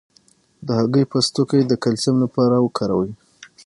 د هګۍ پوستکی د کلسیم لپاره وکاروئ